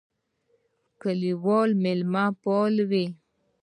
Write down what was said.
کلیوال مېلمهپاله وي.